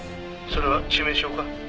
「それは致命傷か？」